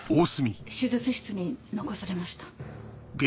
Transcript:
手術室に残されました。